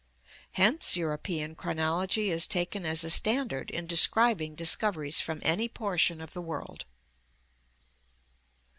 Hence European chronology is taken as a standard in describing dis coveries from any portion of the world.